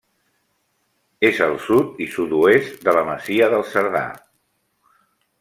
És al sud i sud-oest de la masia del Cerdà.